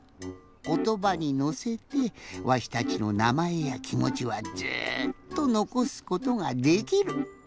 ことばにのせてわしたちのなまえやきもちはずっとのこすことができる。